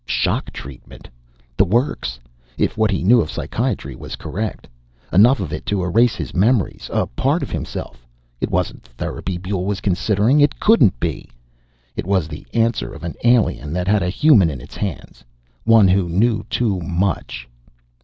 Shock treatment! The works, if what he knew of psychiatry was correct. Enough of it to erase his memories a part of himself. It wasn't therapy Buehl was considering; it couldn't be. It was the answer of an alien that had a human in its hands one who knew too much!